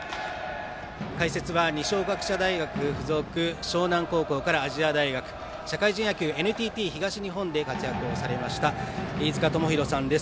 解説は二松学舎大学付属湘南高等学校から亜細亜大学、社会人野球ＮＴＴ東日本で活躍されました飯塚智広さんです。